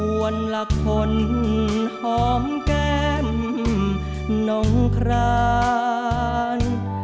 อ้วนหลักคนหอมแก้มน้องคราน